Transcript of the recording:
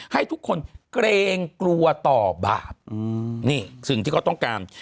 ให้ทุกคนเกรงกลัวต่อบาปนี่สิ่งที่เขาต้องการ